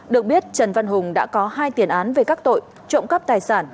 được biết trần văn hùng đã có hai tiền án về các tội trộm cắp tài sản